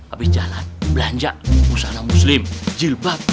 abis jalan belanja usaha muslim jilbab